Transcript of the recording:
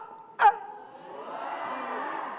เดี๋ยวนะครับ